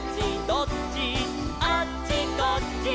「どっち？」